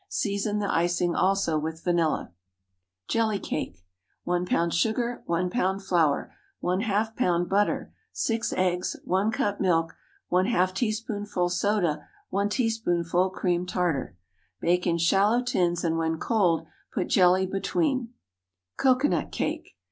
Season the icing also with vanilla. JELLY CAKE. 1 lb. sugar. 1 lb. flour. ½ lb. butter. 6 eggs. 1 cup milk. ½ teaspoonful soda. 1 teaspoonful cream tartar. Bake in shallow tins, and when cold put jelly between. COCOANUT CAKE.